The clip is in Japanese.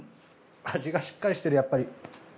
味がしっかりしてるやっぱり。